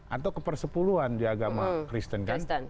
atau ke persepuluhan di agama kristen kan